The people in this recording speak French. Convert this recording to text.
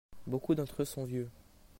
Beaucoup d'entre eux sont vieux.